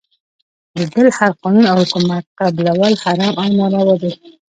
د بل هر قانون او حکومت قبلول حرام او ناروا دی .